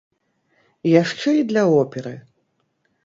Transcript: Яшчэ і для оперы!